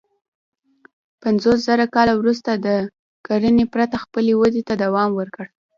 پنځوسزره کاله وروسته یې د کرنې پرته خپلې ودې ته دوام ورکړ.